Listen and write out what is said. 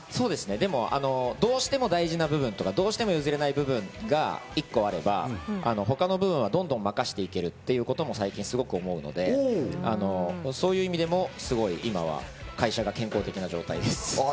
でも大事な部分とか、どうしても譲れない部分が一個あれば、他の部分はどんどん任していけるということも最近すごく思うので、そういう意味でもすごい今は会社が健康的な状態です。